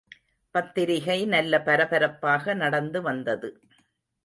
பத்திரிகை நல்ல பரப்பரப்பாக நடந்து வந்தது.